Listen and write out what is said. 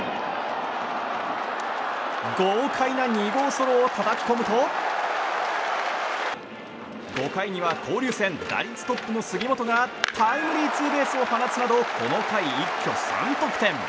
豪快な２号ソロをたたき込むと５回には交流戦打率トップの杉本がタイムリーツーベースを放つなどこの回一挙３得点。